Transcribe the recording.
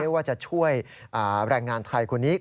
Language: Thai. ว่าจะช่วยแรงงานไทยคนนี้